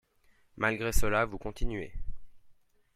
Malgré cela, vous continuez.